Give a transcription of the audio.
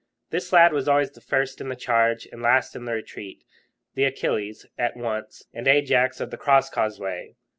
This lad was always first in the charge and last in the retreat the Achilles, at once, and Ajax of the Crosscauseway.